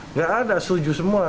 nggak ada setuju semua